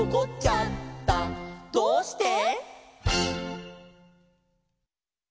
「どうして？」